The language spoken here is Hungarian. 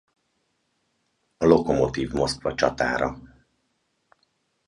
A Lokomotyiv Moszkva csatára.